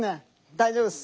大丈夫っす。